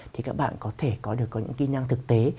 thì các bạn có thể có được có những kỹ năng thực tế